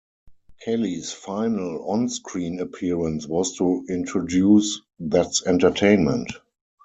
Kelly's final on-screen appearance was to introduce That's Entertainment!